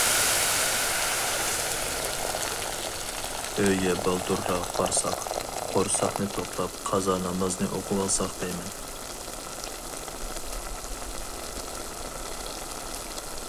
ئۆيگە بالدۇرراق بارساق، قورساقنى توقلاپ قازا نامازنى ئوقۇۋالساق دەيمەن.